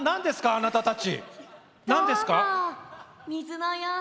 あなたたち。